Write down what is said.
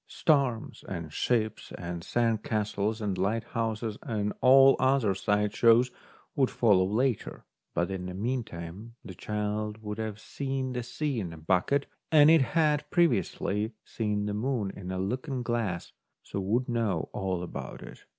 Storms and ships and sand castles and lighthouses and all the other side shows would follow later ; but in the meantime the child would have seen the sea in a bucket, as it had previously seen the moon in a looking glass, so would know all about it.